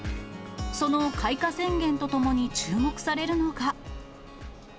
その開花宣言とともに注目されるのが。